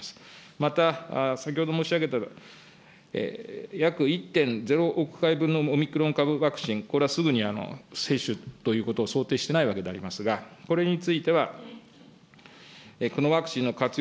また、先ほど申し上げた約１．０６億回分のオミクロン株ワクチン、これはすぐに接種ということを想定していないわけでありますが、これについてはこのワクチンの活用